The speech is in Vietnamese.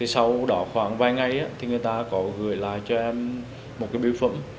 sau đó khoảng vài ngày người ta có gửi lại cho em một cái biểu phẩm